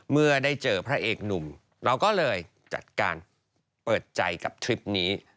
เมื่อได้เจอพระเอกหนุ่มเราก็เลยจัดการเปิดใจกับทริปนี้